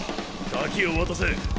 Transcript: ガキを渡せ。